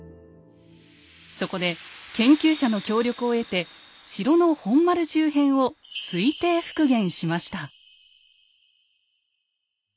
そこで研究者の協力を得て城の本丸周辺を推定復元しました。